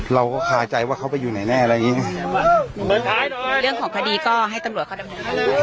เราก็คาใจว่าเข้าไปอยุ่ไหนแน่นะมันเป็นทางเนี่ย